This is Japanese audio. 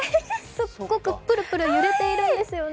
すっごくぷるぷる揺れているんですよね。